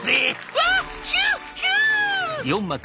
「わ！ヒューヒュー！」。